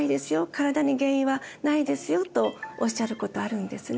体に原因はないですよ」とおっしゃることあるんですね。